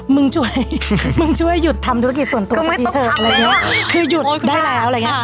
มึงช่วยมึงช่วยหยุดทำธุรกิจส่วนตัวมึงเถอะอะไรอย่างเงี้ยคือหยุดได้แล้วอะไรอย่างเงี้